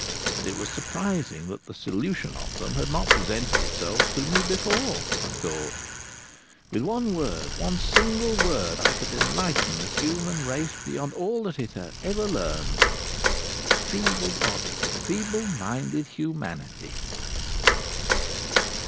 It was surprising that the solution of them had not presented itself to me before! I thought: With one word, one single word, I could enlighten the human race beyond all that it has ever learned. Feeble bodied, feeble minded humanity!